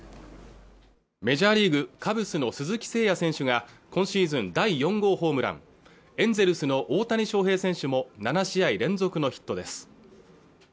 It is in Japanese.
メジャーリーグ・カブスの鈴木誠也選手が今シーズン第４号ホームランエンゼルスの大谷翔平選手も７試合連続のヒットです